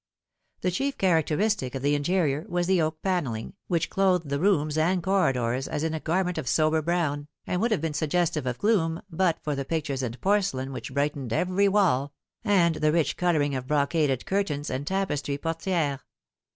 The chief characteristic of the interior was the oak panelling, which clothed the rooms and corridors as in a garment of sober brown, and would have been suggestive of gloom but for the pictures and porcelain which brightened every wall, and the rich colouring of brocaded cur tains and tapestry portieres.